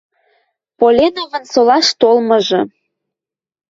ПОЛЕНОВЫН СОЛАШ ТОЛМЫЖЫ